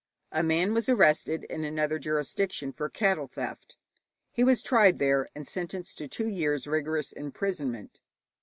A man was arrested in another jurisdiction for cattle theft; he was tried there and sentenced to two years' rigorous imprisonment.